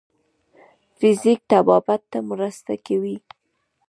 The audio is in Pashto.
فزیک طبابت ته مرسته کوي.